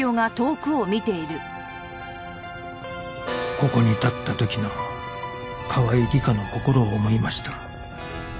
ここに立った時の川合理香の心を思いました